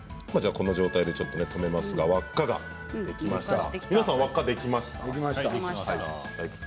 この状態で止めますが輪っかができました。